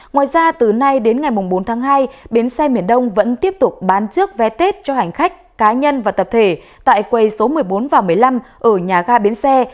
ngoài ra từ nay đến ngày bốn tháng hai bến xe miền đông vẫn tiếp tục bán trước vé tết cho hành khách cá nhân và tập thể tại quầy số một mươi bốn và một mươi năm ở nhà ga bến xe